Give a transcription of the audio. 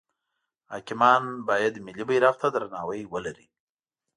حاکمان باید ملی بیرغ ته درناوی ولری.